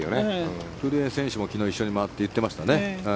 古江選手も昨日一緒に回って言ってましたよね。